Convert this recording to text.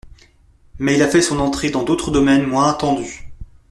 Mais il a fait son entrée dans d’autres domaines moins attendus.